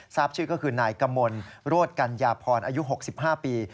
ทราบชื่อก็คือนายกมลโรธกัญญาพรอายุ๖๕ปี